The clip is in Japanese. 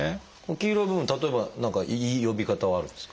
黄色い部分例えば何か呼び方はあるんですか？